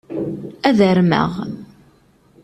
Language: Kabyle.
Ad armeɣ.